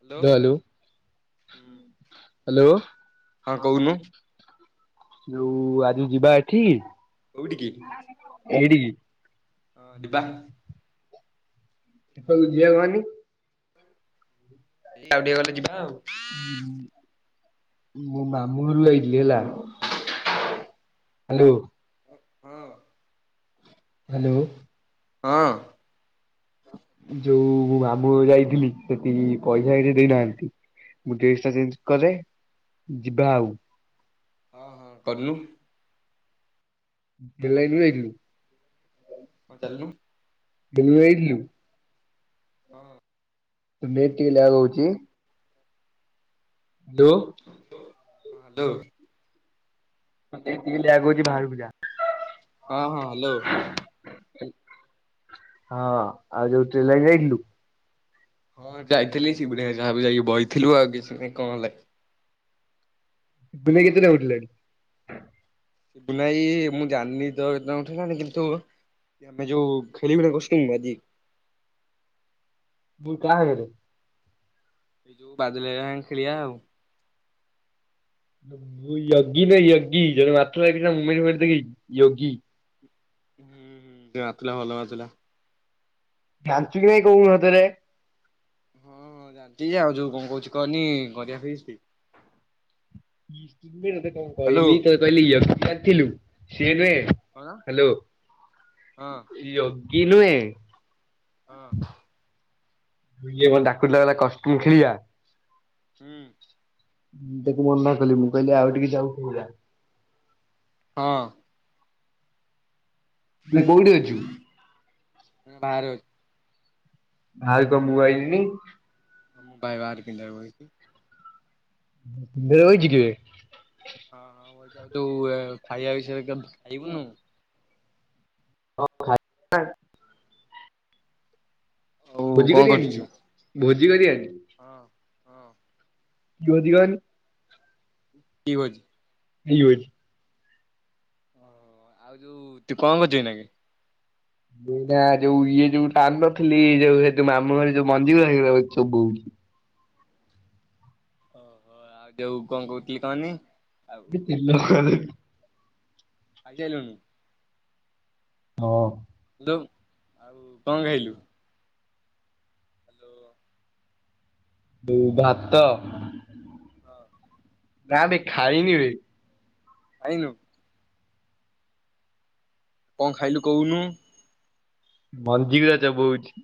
Hello [unintelligible] ଲୁ ହୁଁ। Hello ହଁ କହୁନୁ ଲୁ ଆଜି ଯିବା ଏଠିକି? କୋଉଠିକି? ଏଇଟିକି। ହଁ ଯିବା। [unintelligible] ବୁଝି ହବନି। ଏଇ ଆଉ ଟିକେ ଗଲେ ଯିବା ଆଉ। ଉଁ, ହଁ ମୁଁ ମାମୁଁ ଘରକୁ ଯାଇଥିଲି ହେଲା। ହେଲୁ ଓ ହଁ। ହ୍ୟାଲୋ। ହଁ। ଯୋଉ ମୁଁ ମାମୁଁ ଯାଇଥିଲି ସେତିକି ପଇସା କିଛି ଦେଇନାହାନ୍ତି। ମୁଁ ଡ୍ରେସ୍ ଟା ଚେଞ୍ଜ କରେ ଯିବା ଆଉ। ହଁ, ହଁ କରନୁ। [unintelligible] ଯାଇଥିଲୁ। ହଁ ଚାଲନୁ। [unintelligible] ଯାଇଥିଲୁ। ହଁ। ତୋ ନେଟ୍ ଟିକେ ଲାଗ୍ ହଉଚି। ଦୋ ହଁ ହ୍ୟାଲୋ। ହଁ ସେ ଗିଲି ଆଗଉଚି ବାହାରକୁ ଯା। ହଁ, ହଁ ହ୍ୟାଲୋ। ହଁ ଆଉ ଯୋଉ ଟ୍ରେଲାଇନ୍ ଯାଇଥିଲୁ? ହଁ ଯାଇଥିଲି ସିପୁନୁ ଭାଇ ସାଙ୍ଗରେ ମୁଁ ଯାଇକି ବଇଥିଲୁ ଆଉ କିଛି ନାଇଁ, କଣ ହେଲା? ତୁମେ ହଁ କେତେଟା ଉଠଲଣି? ନାଇଁ ମୁଁ ଜାଣିନି ତ ଏ ଉଠ ନାଣି କିନ୍ତୁ ମେ ଯୋଉ ଖେଳି ଭେଳି ଗୋଷ୍ଟି ଆଜି ମୁଁ କା ଆଗରେ ଏଇ ଯୋଉ ବାଦଲ ହେବା ଖେଳୀଆ ଆଉ ମୁଁ ୟଗି ନ ୟଗୀ ଜଣେ ମା ଲାଗି ମୁଁ ଦେଖି ୟଗୀ ହୁଁ ହୁଁ ସେ ନାଚିଲା ଭଲ ନାଚିଲା। ଜାଣିଛୁ କି ନାଇଁ କଉନୁ ସତରେ ହଁଁ ଜାଣିଚି ଯେ ଆଉ ଯୋଉ କଣ କହୁଛି କନି କରିଆ ଫିଷ୍ଟ। କହିଲ କଣ ହ୍ୟାଲୋ କହିଲି ତତ କହିଲି ୟ ଥିଲୁ ସି ନୁହେଁ କଣ ହ୍ୟାଲୋ ହଁ ୟୋଗୀ ନୁହେଁ ହଁ କିଏ କଣ ଡାକୁଥିଲା କାଇଲା କଷ୍ଟୁମ୍ ଖେଳିବା ହୁଁ ମୁଁ ତାକୁ ମନା କଲି ମୁଁ କହିଲି ଆଉ ଟିକେ ଯାଉ ଖେଳିବା। ହଁ କୋଉଠି ଅଛୁ? ବାହାରେ ଅଛି। ଆହୁରି କଣ ମୁଁ ଆଇଲିନି। ମୁଁ ଭାଇବହାର ପିନ୍ଧା ଭିଡ଼ ହେଇଚି କି ବେ ହଁ ହଁ ଅଇକା ଆଉ ତୁ ଖାଇବା ବିଷୟରେ କେମତି ଖାଇବୁନୁ। [unintelligible] ଆଉ ଭୋଜି କଣ କରିଆନି କି କରୁଛୁ? ଭୋଜି କରିଆନି ହଁ ହଁ କି ଭୋଜି କନି କି ଭୋଜି? [unintelligible] ଓ ଆଉ ଯୋଉ ତୁ କଣ କରୁଚୁ ଅଇନକେ ଏ ଯୋଉ ଇଏ ଯୋଉ ଟା ଆନଥିଲି ଯୋଉ ମାମୁଁ ଘରେ ଯୋଉ ମଞ୍ଜିଗୁରା ଶେଗୁରା ବସି ଚୋବଉଚି। ଓହୋ ଆଉ ଯୋଉ କଣ କହୁଥିଲି କହନି। ଆଉ [unintelligible] ଖାଇସାଇଲୁନୁ ହଁ ହ୍ୟାଲୋ କଣ ଖାଇଲୁ? ହ୍ୟାଲୋ ଭାତ ହଁ ନା ବେ ଖାଇନି ବେ। ଖାଇନୁ କଣ ଖାଇଲୁ କହୁନୁ। ମଞ୍ଜି ଗୁଡା ଚୋବଉଚି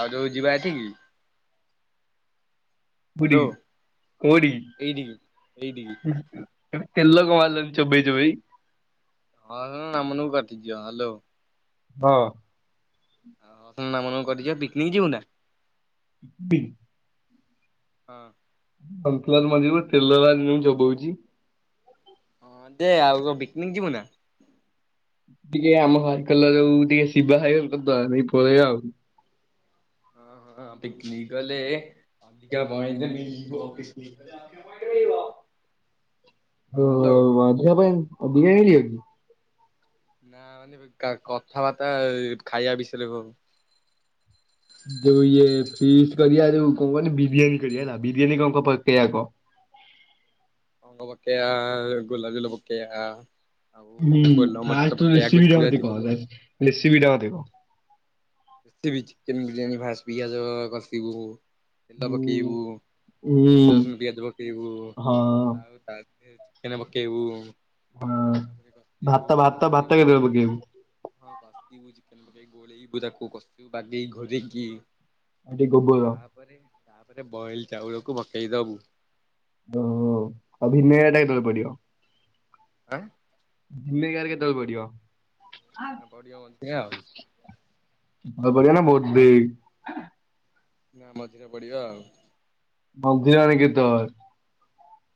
ଆଉ ଯୋଉ ଯିବା ଏଠିକି ହାଲୋ କୋଉଠିକି ଏଇଠିକି ଏଇଠିକି କୋଉଠିକି ଏ ତେଲ କ ମାରିଲନି ଚୋବେଇ ଚୋବେଇ। ହଁ ହଁ [unintelligible] କଟିଯିବ ହ୍ୟାଲୋ ହଁ ନାମ ନବୁ କଟିଯିବ ପିକନିକ ଯିବୁ ନା। [unintelligible] ହଁ। ହନ୍ତଲାଲ୍ ମନ୍ଦିବ ତେଲଲା ଜବଉଚି ହଁ ଦେ ଆଉ ବିକ୍ନିକ୍ ଯିବୁ ନା? ଟିକେ ଆମ ହାଇକେଲ୍ ଯୋଉ ଟିକେ ଶିବା ହାଇକେଲ୍ କରିଦେଇ ପଳେଇବା ଆଉ। ହଁ ହଁ ପିକ୍ନିକ୍ କହିଲେ ଅଧିକା ପିକ ବାଁ ମିଳିବ [unintelligible] ହ ଓହୋ ଝିଅ ପାଇଁ ଦିଟା ନେଇଥିବା କି? ନା ମାନେ କଥା ବାର୍ତ୍ତା ଖାଇଆ ବିଷୟରେ ଯୋଉ ଇଏ ଫିସ୍ କରିବା ଯୋଉ କଣ କହନି ବିରିୟାନୀ କରିବା ହେଲା ବିରିୟାନୀ କଣ କଣ ପକେଇବା କହ। ପକେଇଆ ଗୋଲାଜଲ ପକେଇଆ। ହୁଁ ଫାଷ୍ଟ୍ ରୁ ରେସିପିଟା ଗୁଜୁରାତି ମତେ କହ ପକେଇବା। ରେସିପି ଟା ମତେ କହ‌। ବିରିୟାନୀ ଫାସ୍ ପିଆଜ କସିବୁ। ତେଲ ହୁଁ ପକେଇବୁ ଏଇ ରସୁଣ, ପିଆଜ ପକେଇବୁ। ହଁ ଆଉ ତା ଦିହରେ ଚିକେନେ ପକେଇବୁ। ହଁ। ତାପରେ ଭାତ କଷିବୁ ଭାତ ଭାତ କଷିବୁ। କେତେବେଳେ ପକେଇବୁ ହଁ କଷିବୁ ଚିକେନ ପକେଇକି ଗୋଳେଇବୁ ତାକୁ କଷିବୁ ବାଗେଇ ଘୋଡ଼େଇ କି। ଆଉ ଟିକେ ଗୋବର ତାପରେ ତାପରେ ବଏଲ୍ ଚାଉଳକୁ ପକେଇ ଦୋବୁ। ଓହ ଆଉ ଭିନେଗାର ଟା କେତେଏଳେ ପଡିବ? ଆଁ। ଭିନେଗାର କେତେବେଳେ ପଡିବ? ହଁ ପଡିିବା ବଧେ ଆଉ। ହ ବଢିଆ ନା ବୋହୁତ୍ ଦେଇ ନା ମଝିରେ ପଡିବ ଆଉ। ମଝିରେ ବୋଲେ କେତବେଳେ?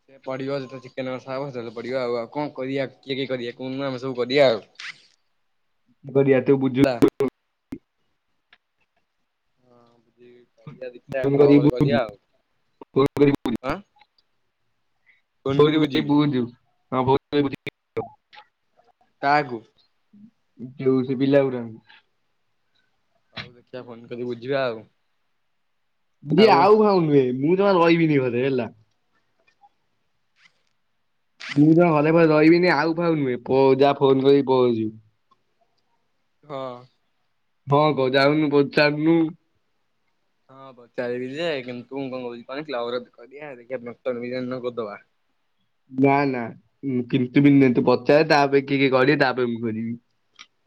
ସେ ପଢିବ ଯେତେବେ ଚିକେନ କଷା ହବ ସେତେବେଳେ ପଡିବ ଆଉ ଆଉ କଁ କରିବା କିଏ କିଏ କରିବା କହୁନୁ ଆମେ ସବୁ କରିବା ଆଉ। କରିବା ତୁ ବୁଝୁ ଆ। କରିିଆ ଦେଖାବା ଫୋନ କରି କ୍ଲବରେ ବୁଝୁ କରିଆ ଆଉ ଫୋନ କରି ଆଁ ଫୋନ କରି ବୁଝିବି [unintelligible] କାହାକୁୁ? ଯୋଉ ସେ ପିଲା ଗୁଡାକ। ହୋଉ ଦେଖିବା ଫୋନ୍ କରି ବୁଝିବା ଆଉ। ଯିଏ ଆଉ ଖାଉ ନୁହେଁ ମୁଁ ଜମା ରହିବିନି ଘରେ ହେଲା। ମୁଁ ତ ଘରେ ରହିବିନି ଆଉ ଭାଉ ନୁହେଁ ଯାହା ଫୋନ କରିକି ପ ଯିବୁ। ହଁ। ହଁ ଯାଉନୁ ପଚାରୁନୁ ହଁ ପଚାରିବି ଯେ କିନ୍ତୁ ମୁଁ କଣ କୋହୁଚି କନି କ୍ଲବ୍ ରେ କରିବା ଦେଖିଆ ପତ୍ର ରେକରିଦବା। ନା ନା କିନ୍ତୁ ଆଉ ବିନ୍ତୁ ନାଇ ତୁ ପଚାରେ ତାପରେ କିଏ କିଏ କରିବେ ତାପରେ ମୁଁ କରିବି।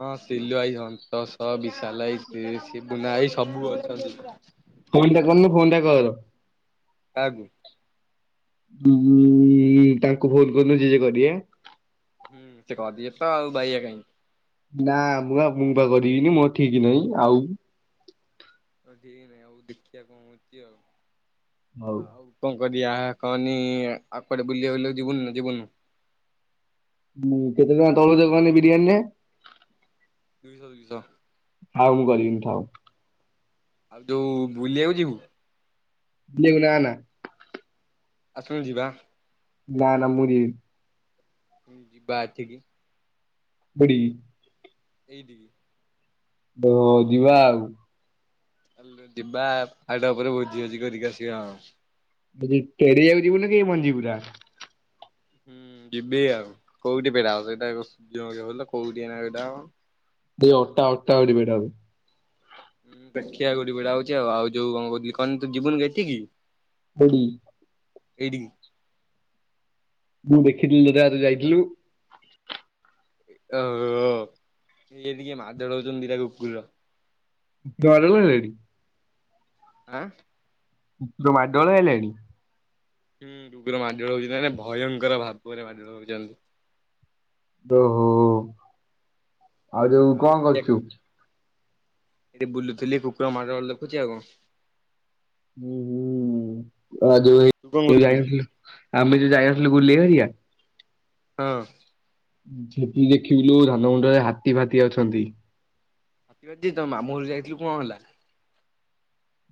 ହଁ ସିଲୁ ଭାଇ, ସନ୍ତୋଷ, ବିଶାଲ ଭାଇ, ସିବୁନା ଭାଇ ସବୁ ଅଛନ୍ତି। ଫୋନ୍ ଟା କରନୁ ଫୋନ୍ ଟା କର। କାହାକୁ? ତାଙ୍କୁ ଫୋନ୍ କରୁନୁ ଯିଏ ଯିଏ କରିବେ। ହୁଁ ସେ କରିବେ ତ ଆଉ ବାୟା କାଇଁ। ନା ମୁଁ ପା ମୁଁ ପା କରିବିନି ମୋର ଠିକ ନାହିଁ ଆଉ। ହଉ ଠିକ ନାଇଁ ଆଉ ଦେଖିବା ଆଉ କଣ ହଉଛି ଆଉ। ହଉ। ଆଉ କଣ କରିଆ କହନି ଆଉକୁଆଡେ ବୁଲିବା ବୁଲି ଯିବ ନୁ ଯିବୁନୁ? ହୁଁ କେତେ ଟଙ୍କା ତଳ ଦୋକାନୀ ବିରିୟାନୀରେ? ଦୁଇଶହ-ଦୁଇଶହ। ଥାଉ ମୁଁ କରିବିନି ଥାଉ। ଆଉ ଯୋଉ ବୁଲିବାକୁ ଯିବୁ। ବୁଲି ଆକୁ ନା-ନା। ଆସୁନୁ ଯିବା? ନା-ନା ମୁଁ ଯିବିନି। ହୁଁ ଯିବା ଆଜି କି। କୋଉଡି ଏଇ ଠିକି। ହଁ ଯିବା ଆଉ। ଲ ଯିବା ଆଉ ଟିକେ ପରେ ଭୋଜି ଭୋଜି କରିକି ଆସିବା ଆଉ। ମୁଁ କଇ ଟେରିଆକୁ ଯିବୁନୁକି ମଞ୍ଜି ପୁରା? ହୁଁ ଯିବି ଆଉ କୋଉଠି ଫେରାହବ, ସେଇଟା ଯୋଉ ଇଏ ହଲ କୋଉଟି କିନା ସେଟା ହବ? ଏଇ ଅଣ୍ଟା ଅଣ୍ଟା ପାଖରେ ଭିଡାହବ। ଦେଖିଆ କୋଉଠି ବିଡା ହଉଛି, ଆଉ ଯୋଉ କଣ କହୁଥିଲି କଣ ତୁ ଯିବୁନି କି ଏଠିକି? କୋଉଠି? ଏଇଠିକି। ମୁଁ ଦେଖିଥିଲି ଯୋଉଟା ତୁ ଯାଇଥିଲୁ। ଓ ଏଠି କିଏ ମାଡ଼ଗୋଳ ହଉଛନ୍ତି ଦିଟା କୁକୁର। ଘରକୁ ଗଲେଣି। ଆଁ। ଯୋଉ ମାଡ଼ଗୋଳ ହେଲେଣି? ହୁଁ, କୁକୁର ମାଡ଼ଗୋଳ ହଉଛନ୍ତି ମାନେ ଭୟଙ୍କର ଭାବରେ ମାଡଗୋଳ ହଉଯାଉ ଓହୋ ଆଉ ଯୋଉ କଣ କରୁଛୁ? ଏଠି ବୁଲୁ ଥିଲି କୁକୁର ମାଡାଗୋଳ ଦେଖୁଛି ଆଉ କଣ। ହୁଁ ହୁଁ ଆ ଯୋଉ ଏ ତୁ କଣ ଟି କରୁଥିଲୁ? ଯାଇନଥିଲୁ ଆମେ ଯୋଉ ଯାଇନଥିଲୁ ଗୁଲି ହେରିକା। ହଁ। ସେଠି ଦେଖିଲୁ ଧାନମୁଁଣ୍ଡ ରେ ହାତୀ ଭାତି ଅଛନ୍ତି। ଗ୍ରେଟି ତୋ ମାମୁଁ ଘରକୁ ଯାଇଥିଲୁ କଣ ହେଲା?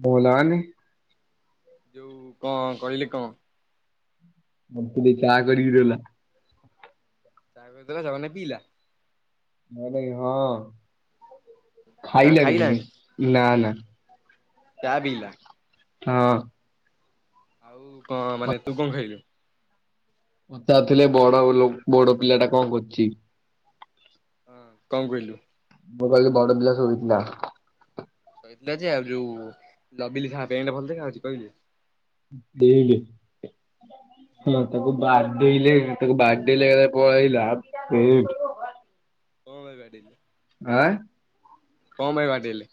କଣ ହେଲା ମାନେ? ଯୋଉ କଣ କହିଲି କଣ? ମୋ ଖୁଡି ଚା କରିକି ଦେଲା। ଚା କରିକି ଦେଲା ଜଗନ ଭାଇ ପିଇଲା? ଆରେ ହଁ, ଖାଇଲାନି କିନ୍ତୁ ନା ନା। ଚାହା ପିଇଲା। ହଁ। ଆଉ କଣ ମାନେ ତୁ କଣ ଖାଇଲୁ? ପଚାରୁ ଥିଲେ ବଡ଼ ଲୋ ବଡ ପିଲା ଟା କଣ କରୁଚି? ହଁ କଣ କହିଲୁ? ମୋ ପାଖରେ ବଡ ପିଲା ଶୋଇଥିଲା। କହିଥିଲା ଯେ ଆଉ ଯୋଉ ଡ଼ବିଲି ସାହା ପେଣ୍ଟ ଭଲ [unintelligible] ଜାଉଛି କହିଲେ। ଦେଇଲେ ହଁ ତାକୁ ବାଡେଇଲେ। ତାକୁ ବାଡେଇ ଲେ ଏକାଥରେ ପଳେଇଲା, ଆଉ [unintelligible] କଣ ପାଇଁ ବାଡେଇ ଲେ? ଆଁ। କଣ ପାଇଁ ବାଡେଇଲେ?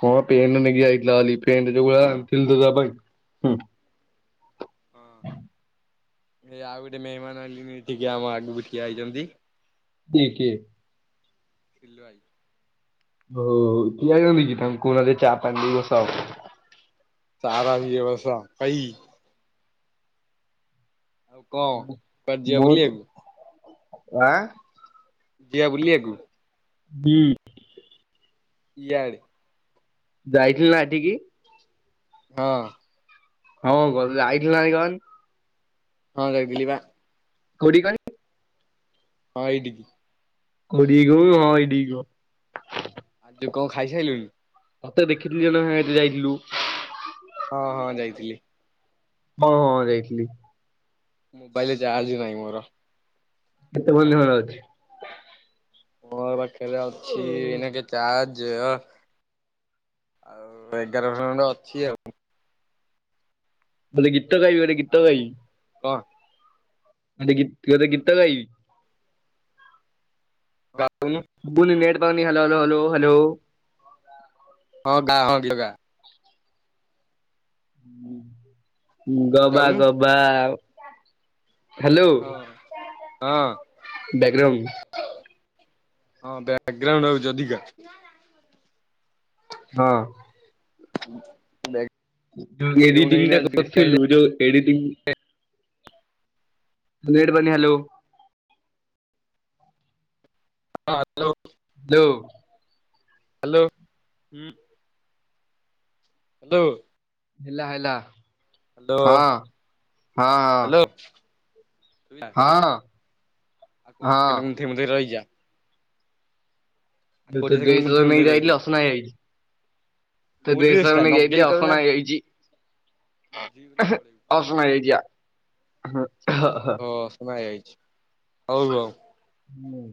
କଣ ପେଣ୍ଟେ ନେଇକି ଯାଇଥିଲା ବୋଲି ପେଣ୍ଟ ଯୋଉ [unintelligible] ହଁ। ଏଇ ଆଉ ଗୋଟେ ମେହେମାନ ଆଣିଲିନି ଏଟିକି ଆମ ଆଗକୁ ଠିଆ ହେଇଛନ୍ତି। କିଏ କିଏ। ପିଲୁଆ ଭାଇ। ହଉ ହଉ ଠିଆ ହେଇ ଛନ୍ତିକି ତାଙ୍କୁ କହୁନାହାନ୍ତି ଚାହା ପାହା ଟିକେ [unintelligible] ଚା ଫା ଟିକିଏ ବସାଅ ଭାଇ। ଆଉ କଣ କୁଆଡେ ଯିବା ମୁଁ ତ ବୁଲିବାକୁ? ଆଁ ଯିିବା ବୁଲି ଆକୁୁ। ହୁଁ। ଏଆଡ଼େ। ଯାଇଥିଲୁ ନା ଏଠିକି। ହଁ। ହଁ ଗ ଯାଇଥିଲୁ ନା ନାଇଁ କହନି। ହଁ ଯାଇଥିଲି ପା। କୋଉଠିକି କହନି। ହଁ ଏଇଟିକି। [unintelligible] ଆଉ ତୁ କଣ ଖାଇସାଇିଲୁଣି? ମତେ ଦେଖଥିଲି ଜଣେ [unintelligible] ଯାଇଥିଲୁ। ହଁ ହଁ ଯାଇଥିଲି। ହଁ ହଁ ଯାଇଥିଲି। ମୋବାଇଲ ଚାର୍ଜ ନାହିଁ ମୋର। କେତେ [unintelligible] ମୋର ପାଖରେ ଅଛି ଏବେ ଚାର୍ଜ ଆଉ ଏଗାର ପର୍ସେଣ୍ଟ ଅଛି ଆଉ। [unintelligible] ଆଉ କଣ? ଆ ଗୀତ ଗାଇବି ଯାଉନୁ [unintelligible] ହ୍ୟାଲ ହଲୋ ହ୍ୟାଲୋ। ହଁ ଗାଁ ହଁ ଗା। ଗବା ଯାଉନୁ ଗବା। ହ୍ୟାଲୋ ହଁ ହଁ। ବେଗରମ ହଁ [unintelligible] ହଉଛି ଅଧିକ। ହଁ। [inaudible] ବ୍ୟାକଗ୍ରାଉଣ୍ଡ ଏଡିଟିଂ ଏଇନା ଟା ବେଶୀ ଆଇଲେ କରିଥିଲୁ ଯୋଉ ଏଡିଟିଂ ଭେଟ ବନ ହ୍ୟାଲୋ। ହଁ ହ୍ୟାଲୋ। ହ୍ୟାଲୋ। ହ୍ୟାଲୋ ହୁଁ। ହ୍ୟାଲୋ। ହେଲା ହେଲା। ହ୍ୟାଲୋ ହଁ ହଁ ହ୍ୟାଲୋ। ହଁ। ହଁ। ହଁ [unintelligible] ରହିଯା। ଆଉ ବେ ତୋ କୋଡିଏ ସେକେଣ୍ଡ ଦେଇ ତ ଗୁନ୍ଥେଇ ନେଇ ଗୁନ୍ଥେଇ ଯାଇଥିଲି ରହିଯା। ଅସନା ହେଇଯାଇଛି। ତ ମୋ ଡ୍ରେସ ଟା ଦେଇସାନ ନେଇକି ଯାଇଥିଲି ନଗେଇ କଲେ ନା ଅସନା ହେଇ ବଜେଇ କଲେ ନା ଯାଇଛି। ବଳେଇବୁ। ଅସନା ହେଇଯାଇଛି ଆ। ହଁ ଓହୋ ସମା ହେଇ ଯାଇଛି ହଉ ହଉ। ହୁଁ।